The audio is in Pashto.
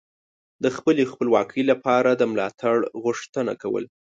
د خپلې خپلواکۍ لپاره د ملاتړ غوښتنه کوله